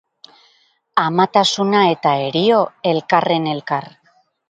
Amatasuna eta herio, elkarren elkar.